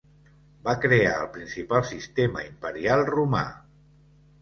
Va crear el principal sistema imperial romà.